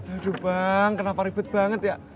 aduh bang kenapa ribet banget ya